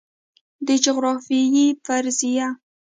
د جغرافیې فرضیه